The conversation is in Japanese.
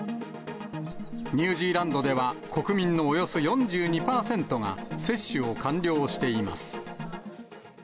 ニュージーランドでは、国民のおよそ４２％が接種を完了しています。